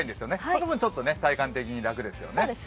その分、ちょっと体感的に楽ですよね。